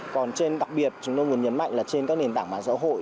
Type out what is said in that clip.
còn trên đặc biệt chúng tôi muốn nhấn mạnh là trên các nền tảng bản giáo hội